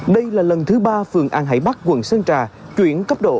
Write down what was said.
đây là lần thứ ba phường an hải bắc quận sơn trà chuyển cấp độ